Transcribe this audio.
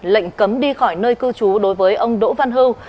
lệnh cấm đi khỏi nơi cư trú đối với ông đỗ văn hưu